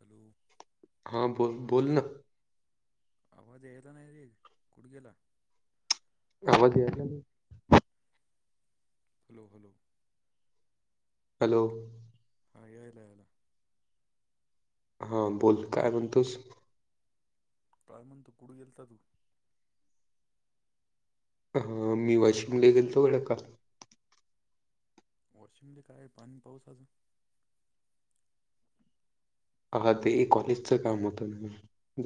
Hello हा बोल बोल ना. आवाज यायचा नाही रे कुठं गेला? आवाज [unintelligible] हॅलो हॅलो हॅलो हा या ईथला याला. हा बोलं काय म्हणतोस? काय म्हणतो, कुठं गेलता तू? हा मी वाशिमला गेलतो वेळ का? वाशीम ले काय पाणी पाऊस आजून. हं ते कॉलेजचं काम होतं ना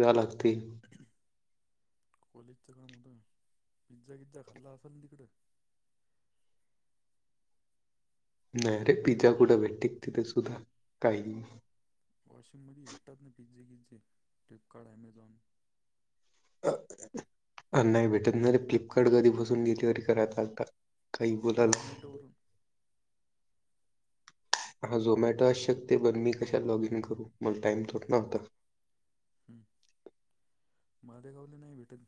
जावं लागते. कॉलेजच काम होतं पिझ्झा गिझ्झा खाल्ला असलं तिकडं. [inaudible] नाही रे पिझ्झा कुठं भेटते तिथे सुुद्धा काही. वॉशिममध्ये भेटतात ना पिझ्झे किझ्जे फ्लिपकार्ट ॲमेझॉन. नाही भेटत ना रे फ्लिपकार्ट कधी पासून डिलीवरी करात आता. स्विगी झोमॅटोवरून. हा झोमॅटो आश्यक ते बण मी कशात लॉग इन करू मला टाइम थोडिना होता. [inaudible] मादे गावले नाही भेटत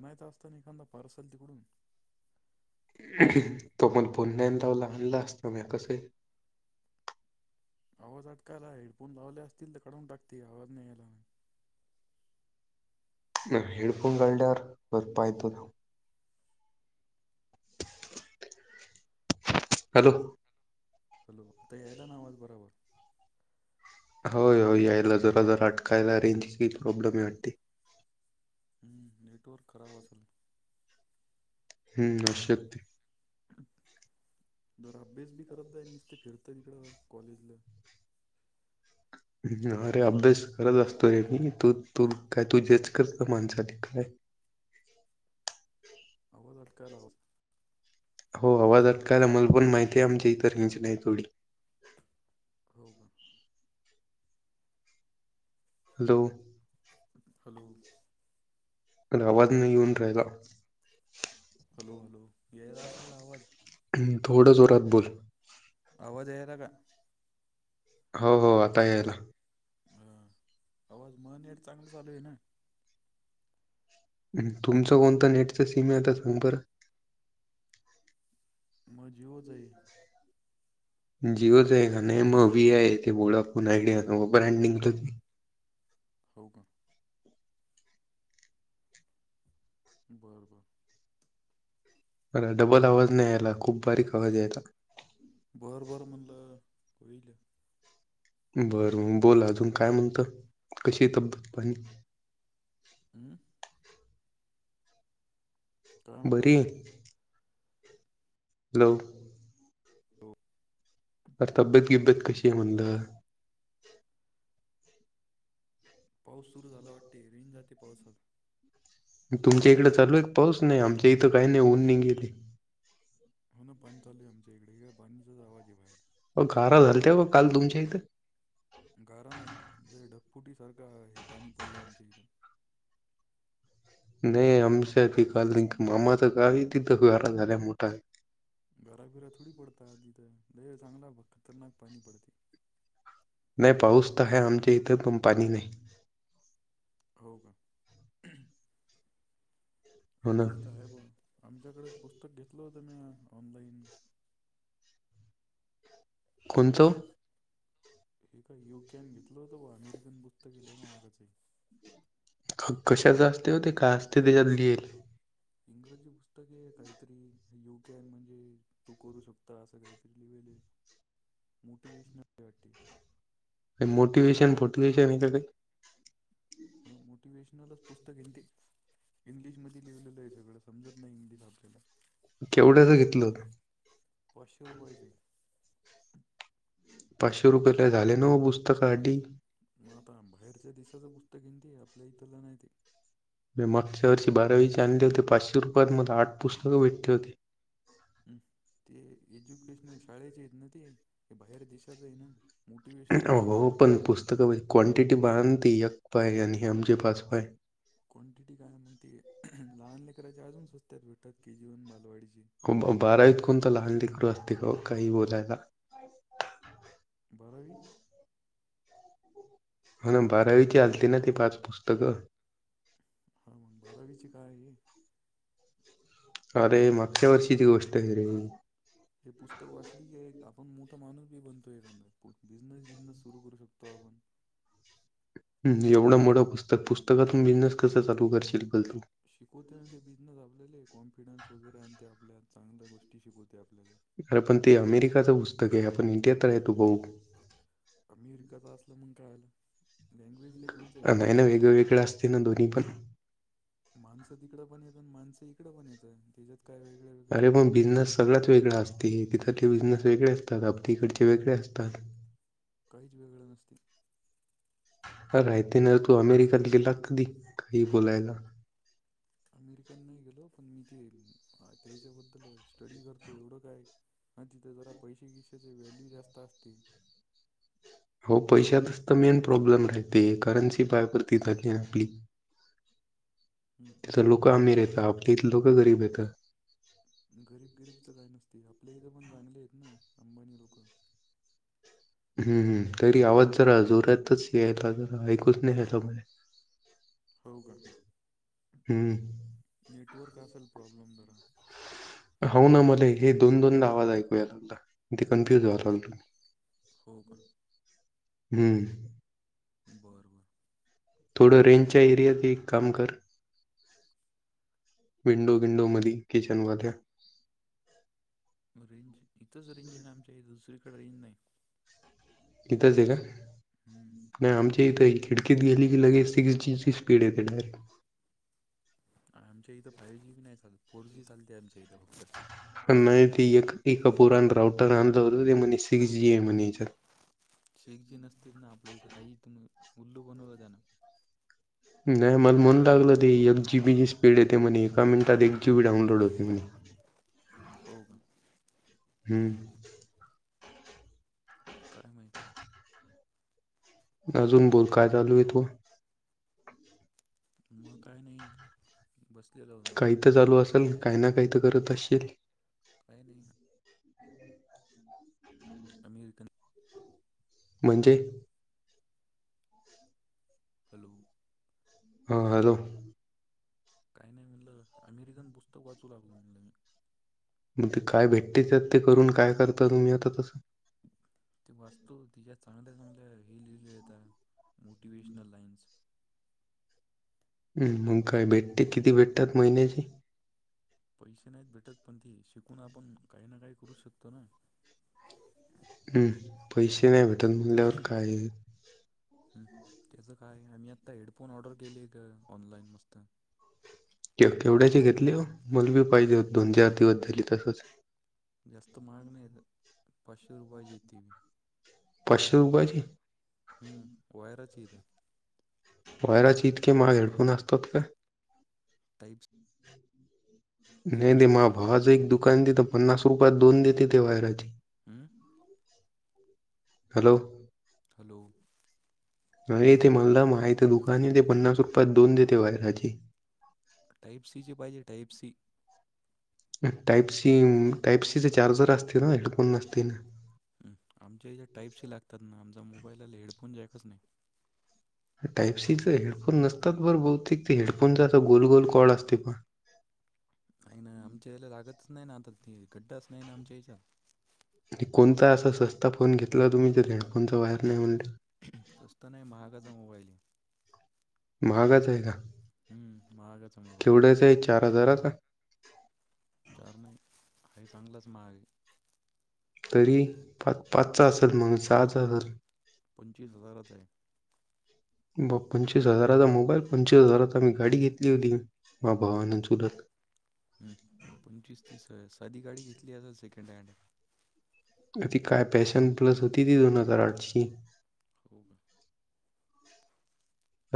अणायचत असत ना एखादा पारसल तिकडून. तो म्हण पुन्यांदावला आणला असता म कस. आवाज आटकायला हेडफोन लावले असतील तर काढून टाकते आवाज नाही यायला. न हेड फोन गड्यार बरपयतो ना. हॅलो हॅलो आता यायला नावाज बराबर? होय हो यायला जरा जर अटकायला रेंजही प्रॉब्लेम आहे वाटते. स्टोअर खराब असल. हम्म असु शकते. जरा अभ्यास बी करत नाही नुसते फिरतंय इकडं कॉलेजला. अरे अभ्यास करत असतो रे मी तू तू काय तु जेच करत माणसासाठी काय. अवज अटकायला. हो आवाज अटकायला मला माहिती आहे आमची इतर हित रेंच नाही थोडी. हो का. हॅलो हॅलो अलाहाबाद नाही ऊून राहीला. हॅलो हॅलो येयला असल ना आवाज? हम्म, थोडं जोरात बोल. अवाज यायला का? हो हो आता यायला. अह आवाज मनेट चांगलं चालू आहे ना. हम् तुमचं कोणतं नेटच सीम आहे आता सांग बर? म जीवो चं हे. जिओच हे का आहे नाही म वीआय आहे ते बोळा फोन आयडिया ब्रँडिंगच. हो का? बरं बरं. बर डबल आवाज नाही यायला खूप बारीक आवाज यायचा. बर बर मणल होईल. बरं बोल अजून काय म्हणत कशी तब्येत पाणी? हम्म? काय म्हणला बरी आहे. हॅलो हो तब्बेत बिब्बेत कशी आहे म्हनलं? पाऊस सुरू झाला वाटते रेंज जाती पाऊसात. तुमच्या इकडें चालू आहे एक पाऊस नाही आमच्या इथं काही नाही ऊन नाही गेली. हो ना पाणी चाले आमच्या इकडे पाणीचाचा आवाज येईलाय. हो गारा झालते ग काल तुमच्या इथं? गारा नाही ढगफुटी सारखा हे पाणी पडलं आमच्या इथे. [inaudible] नाही आमच्या काल मामाच काय तिथ गारा झाल्या मोठा. घराफिरा थोडी पडता आधी तर द चांगला ब खतरनाक पाणी पडते. नाही पाऊस तर है आमच्या इथे तुम पाणी नाही. हो का? हो ना आमच्या इथ आहे पण. आमच्याकडे पुस्तक घेतलं होतं मी ऑनलाइन. कोणचो? हे का योग्यान घेतलं होत वा अमेरिकन पुस्तके वयी महागाचे. अ कशात जास्ते होते का असते त्याच्यात लिहीलं. इंग्रजी पुस्तके काही तरी योग्याने म्हणजे तू करू शकतो असं काही तरी लिव्हाल. [inaudible] मोटीवेशनल बटी मोटिवेशन फोटिवेशन हे. मोटिवेशनलच पुस्तक आहे ते. इंग्लिश मध्ये लिहिलेलं आहे सगळं समजत नाही इंग्लिश आपल्याला. केवढ्याच घेतलं होतं. पाचशे रुपयेचं. पाचशे रुपये लय झाले ना पुस्तकांसाठी. मग आता बाहेरच्या देशाच पुस्तक आहे न ते आपल्या इथला नाहीती. मी मागच्या वर्षी बारावीचे आणले होते पाचशे रुपयांमध्ये आठ पुस्तकं भेटले होती. हम् ते एज्युकेशनल शाळेचे आहेत ना ते बाहेर देशाच आहे. मोटिवेशनल हो आहे हो पण पुस्तक क्वांटिटी ब ते एक पाय आणि हे आमचे पाजपाय. क्वांटिटी काय मग ते लहान लेकराच्या अजून स्वस्त्यात भेटतात के जीवन बालवाडीची. बारा इतकण तर लहान करू असते ग काही बोलायला. बारावी. हण बारावीची आलती ना ती पाच पुस्तकं? बारावीचे काय आहे. अरे मागच्या वर्षीची गोष्ट आहे रे. हे पुस्तक वाचली [unintelligible] आपण मोठा माणूस बी बनतो एखादा बिझनेस बिजनेस सुरू करू शकतो. हम्म एवढं मोठं पुस्तक पुस्तकातून बिझनेस कस चालू करशील पण तू? शिकवते आणि ते बिझनेस आपल्याले कॉन्फिडन्स वगैरे आणते आपल्या चांगल्या गोष्टी शिकवते आपल्याला. अरे पण ते अमेरिकाचं पुस्तक आहे आपण इंडियात राहतो भाऊ. अमेरिकाचा असलं मग काय झालं नाही ना वेगवेेगळे असते ना दोन्ही पण. माणसं तिकडं पण येत आणि माणसं इकड पण येत त्याच्यात काय वेगळं वेगळं अरे पण बिझनेस सगळ्यात वेगळा असते. तिथले बिझनेस वेगळे असतात आपल्या इकडचे वेगळे असतात. काहीच वेगळं नसते. अ राहते ना तू अमेरिकात गेला कधी काही बोलायला. अमेरिकन नाही गेलो पण मी ते त्याच्याबद्दल स्टडी करतो एवढं काय. आणि तिथे जरा पैसे किशेचे व्हॅल्यू जास्त असते. ह्ं हो पैशातच तर मेन प्रॉब्लेम राहते करन्सी पायपरती ली ना आपली. हं. तिथं लोक आमीर येत आपली इथ लोक गरीब आहेत. आणि गरीब गरीबच काय नसतं. इथं पण लोक चांगले आहेत ना अंबानी लोक. हम्म हम् तरी आवाज जरा जोरातच यायला जरा ऐकूच नाही. हो का हम्म नेटवर्क असेल. प्रॉब्लेम जरा हो ना मला हे दोन दोनदा आवाज ऐकूया लागला ते कन्फ्युज व्हाला लागलो. हो का. हम्म बर बर थोडं रेंजच्या एरियात, एक काम कर. विंडो, विंडो मधी किचन मनी, रेंज, इथंच रेंज हे ना आमच्या आहे दुसरीकडे रेंज नाही. इथच आहे का? हम्म नाही आमची इथ खि क दिली क लगेच [unintelligible] स्पीड येते डायरेक्ट. आमच्या इथ फायव जी नाही, फोर जी चालते आम इथ. [inaudible] पण नाही ते एक ए पुराण राऊटर आणलं होत, ते म्हणे सिक्स जी आहे,, म्हणे याच्यात. शेखजी नसते ना, आपल्या इथं काहीथून उल्लू बनवलं त्याण. नाही मला मनुन लागलं ते, एक जीबीची स्पीड येते म्हणे, एका मिनिटात एक जी बी डाउनलोड होते म्हणे. [inaudible] हो, का? हम्म, काय माहित. अजून बोल, काय चालू आहे तोव? मग काय नाही बस काही तर चालू असेल, काही ना काही तर करत असशील? काय नाही अमेरिकन म्हणजे? हॅलो, हा हॅलो, काही नाही म्हणलं, अमेरिकन पुस्तक वाचू लागल म्हणलं मी‌. मग ते काय भेटतेत ते करून काय करता तुम्ही आता तसं ते वास्तू तिच्या चांगल्या हल ह मोटिवेशनल लाइन्स. हम्, मग काय भेटते, किती भेटतात महिन्याचे? पैसे नाहीत भेटत, पण ते शिकून आपण काही ना काही करू शकतो ना. हम्, पैसे नाही भेटन मनलवर काय? हम्, त्याच काय आम्ही आता हेडफोन ऑर्डर केलेय ग, ऑनलाइन मस्त. केवढ्याचे घेतले हो? मलबी पाहिजे हो दोन चार दिवस झाली तसच. जास्त महाग नै, पाचशे रुपयेचे यत ते बि. पाचशे रूपयाची? हम्म, वायरचेत्या. व्हायराचे इतके माग हेडफोन असतात का? टईप नाही दे मा भावाच हेडफोन एक जॅक दुकान तित पन्नास रुपयात दोन देते ते वायराची. हम्म, हॅलो, हॅलो, येथे म्हनला माहिते दुकान ते पन्नास रुपयात दोन देते व्हाहेरची. टाईप सीची पाहिजे, type C? Type C, type सीचे चार्जर असते ना, हेडफोन नसतील ना. आमच्या इच्या टाईपसही लागतात ना, आमचा मोबाईलला हेडफोन जायकच नाही. टाइपसीचे हेडफोन नसतात बरं बहुतेक,, ते हेडफोनचा गोल गोल कॉड असते पहा. नाही, नाही आमच्या याला लागतच नाही ना, आता ते गड्डाच नाही ना आमच्या याच्यात. आणि कोणता असा सस्ता फोन घेतला तुम्ही जो हेडफोनचा वायर नाही म्हणते. स्वस्त नाही महागाचा मोबाईल आहे महागाच आहे का? हं, महागाचा मोबाईल केवढ्याच आहे चार हजाराचा. चार नाही हाय चांगलंच महाग ए. तरी पाच, पाचचा असेल मग, सहाचा असल. पंचवीस हजारचा आहे. ब पंचवीस हजाराचा मोबाईल पंचवीस हजाराचा मी गाडी घेतली होती. मा भावान चूरत हम्म पंचवीस तीस साधी गाडी घेतली असेल सेकंड हँड. अ ती काय पॅशन प्लस होती ती दोन हजार आठची. हो का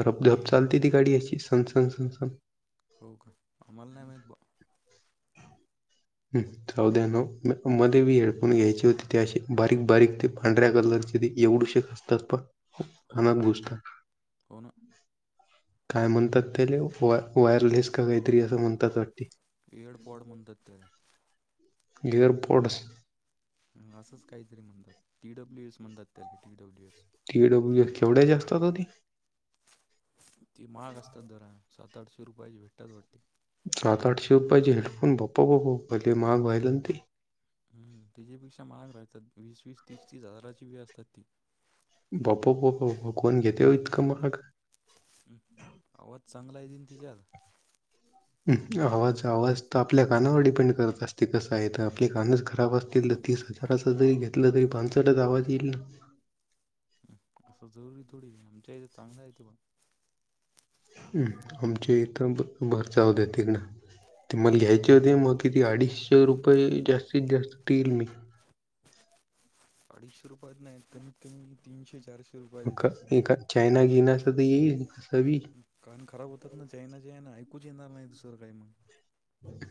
रबधब चालती ती गाडी अशी सण सण स सण. हो का आम्हाला नाही माहित बा. चौद्या न मध्ये मी हेडफोन घ्यायचे होते ते अ बारीक बारीक ते पांढऱ्या कलर. परि एवढू शक असतात कानात खप हो ना हो गोष्ट. हो ना काय म्हणतात त्या वायरलेस का काहीतरी असं म्हणतात वाटतं. येड पॉड म्हणतात त्याला. ईअरपोर्टस. काहीतरीणताती डब्ल्य एस म्हणतात त्याला टी डब्ल्यू एस टीडब्ल्यू केवढ्या जास्तात होती ती महाग असतात जरा सात आठशे रुपयाची भेटतात वाटते. सात आठशे रुपययाची हेडफोन बप बप लय महाग व्हायलाना ते. हम् त्याच्यापेक्षा महाग भतात वीस वीस तीस तीस हजाराची पण असतात ते. बाप प कोण घेते इतकं महाग. आवाज चांगलाय दिन तिच्यात आवाज आवाज तर आपल्या कानावर डिपेंड करत असते कसं आहे तर आपले कानच खराब असतील तर तीच. हजाराच जरी घेतलं तरी पांसष्टच आवाज येईल ना. असं जरुरी थोडी आमच्या इथे चांगला आहेेत बा. आमच्या इथ भर जाऊदेत तिकणं. ते मला घ्यायचे होते मग किती अडीचशे रुपये जास्तीत जास्त येईल मी. [inaudible] अडीचशे रुपयात नाही कमीत कमी तीनशे चारशे रुपयात येतात एका चायना घेण्याच तर येईल. बी कारण खराब होतात ना चायना चायन ऐकूच येणार नाही दुसर काही मग.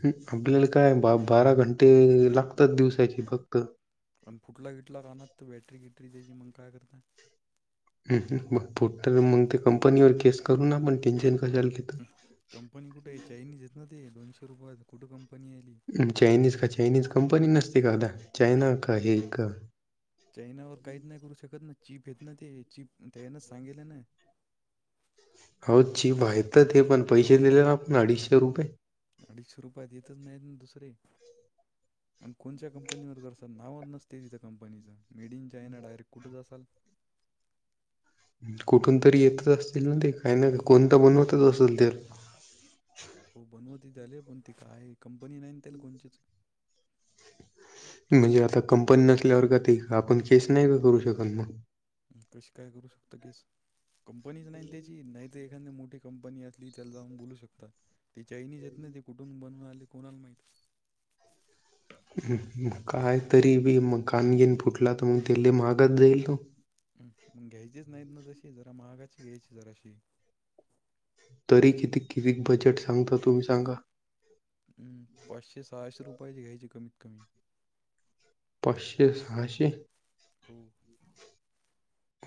ह आपल्याला काय बारा घंटे लागतात दिवसाची फक्त. पण फुटला किटला काना तर बॅटरी किटरी द्यायची मग काय करता? मग फोट मग ते कंपनीवर केस करू ना पण टेन्शन कशाला घेतो कंपनी कुठे आहे चायनीज येत ना ते दोनशे रुपया कुठं कंपनी आहे. चायनीज का चायनीज कंपनी नसते का आदा चायना का हे का. चाईनावर काहीच नाही करू शकत ना. चिप येत ना ते चचीपया नाच सांगेल ना हो चीप आहेेत ते पण पैसे दिलेला आपण अडीचशे रुपये अडीचशे रुपया येतच नाहीत ना दुसरे. [inaudible] आणि कोणत्या कंपनीवर करसात नाव नसते तिथं कंपनीचं मेडिन चायना डायरेक्ट कुठंच असाल. [inaudible] कुठून तरी येतच असतील ना ते काही ना कोणत बनवतच असेल तर. हो बनवती झाली पण त काय कंपनी नाही त्याल कोणचीच. म्हणजे आता कंपनी नसल्यावर का ते का आपण केस नाही का करू शकत मग. कशी काय करू शकतो केस. कंपनीच नाही त्याची नाही तर एखाद मोठी कंपनी असली त्याला जाऊन बोलू शकतात त्या चाईनीच येत नाही ते. कुठून बनवून आले कोणाला माहिती. [inaudible] काय तरी बी मग कान घेन फुटला तर मग तेले मागात जाईल ना. मग घ्यायचीच नाहीत ना तशी जरा महागाची घ्यायची जराशी. तरी किती किती बजेट सांगता तुम्ही सांगा? हम् पाचशे सहाशे रुपयाची घ्यायचे कमीत कमी. पाचशे, सहाशे... हो